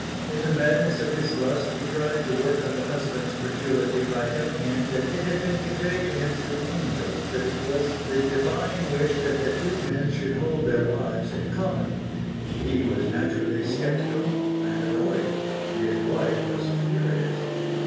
In the madness of his lust he tried to work on the husband's credulity by telling him that it had been conveyed to him through angels that it was the Divine wish that the two men should hold their wives in common. Dee was naturally sceptical and annoyed, and his wife was furious.